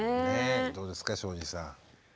どうですか庄司さん。